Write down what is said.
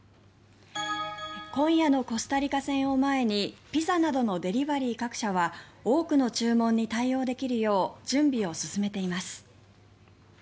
今夜のコスタリカ戦を前にピザなどのデリバリー各社は多くの注文に対応できるよう準備を進めています。